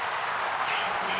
これですね。